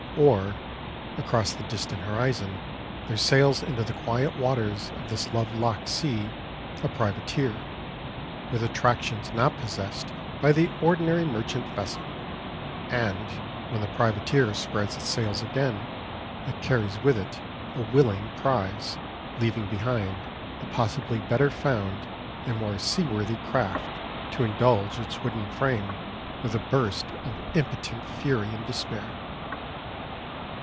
Or, across the distant horizon, there sails into the quiet waters of this love locked sea a privateer, with attractions not possessed by the ordinary merchant vessel, and, when the privateer spreads its sails again, it carries with it a willing prize, leaving behind a possibly better found and more seaworthy craft to indulge its wooden frame with a burst of impotent fury and despair.